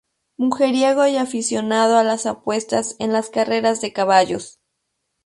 Mujeriego y aficionado a las apuestas en las carreras de caballos.